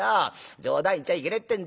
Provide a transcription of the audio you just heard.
『冗談言っちゃいけねえってんだ。